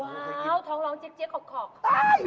ว้าวท้องร้องเจ๊กกรอบ